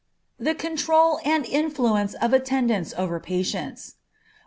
_The Control and Influence of Attendants over Patients.